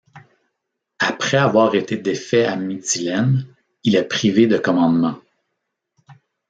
Après avoir été défait à Mytilène, il est privé de commandement.